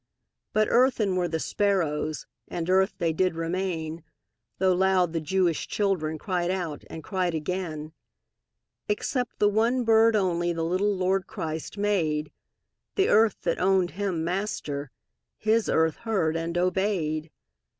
But earthen were the sparrows, And earth they did remain, Though loud the Jewish children Cried out, and cried again. Except the one bird only The little Lord Christ made; The earth that owned Him Master, His earth heard and obeyed.